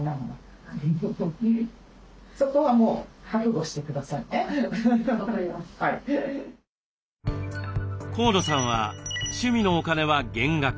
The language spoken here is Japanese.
大体皆さん河野さんは趣味のお金は減額。